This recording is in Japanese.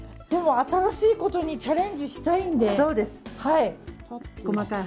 でも、新しいことにチャレンジしたいんで。